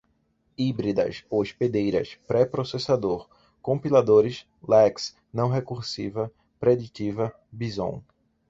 híbridas, hospedeira, pré-processador, compiladores, lex, não-recursiva, preditiva, bison